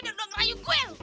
dan udah ngerayu gue lu